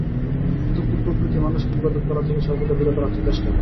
কিন্তু কুপ্রবৃত্তি মানুষকে ইবাদত করা থেকে সর্বদা বিরত রাখতে চেষ্টা করে।